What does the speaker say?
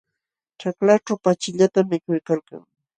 Ćhaklaćhu pachillatam mikuykalkan.